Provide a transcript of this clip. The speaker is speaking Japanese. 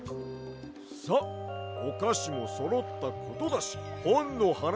さっおかしもそろったことだしほんのはなししようで。